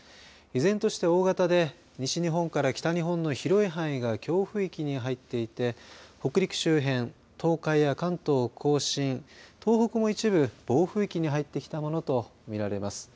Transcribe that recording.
依然として大型で西日本から北日本の広い範囲が強風域に入っていて北陸周辺、東海や関東甲信東北も一部、暴風域に入ってきたものと見られます。